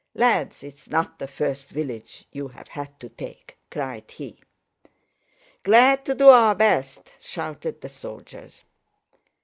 "Lads, it's not the first village you've had to take," cried he. "Glad to do our best!" shouted the soldiers.